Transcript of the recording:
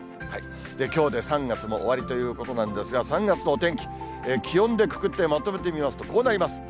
きょうで３月も終わりということなんですが、３月のお天気、気温でくくってまとめてみますとこうなります。